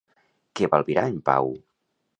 Què va albirar en Pau?